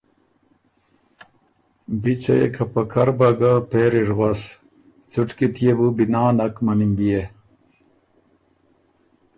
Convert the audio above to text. بی څۀ يې که پکر بۀ ګه پېری ر غؤس څُټکی تيې بو بِنا نک مَنِم بيې